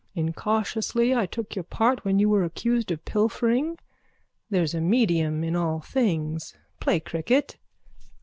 Incautiously I took your part when you were accused of pilfering. There's a medium in all things. Play cricket.